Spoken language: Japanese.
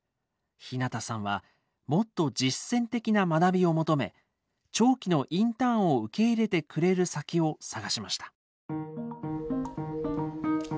日向さんはもっと実践的な学びを求め長期のインターンを受け入れてくれる先を探しました。